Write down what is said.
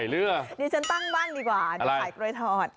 เดี๋ยวฉันตั้งบ้านดีกว่าดูขายกลวยถอด